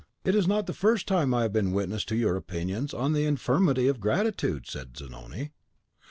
"It is not the first time I have been a witness to your opinions on the infirmity of gratitude," said Zanoni.